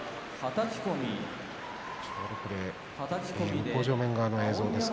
向正面側の映像です。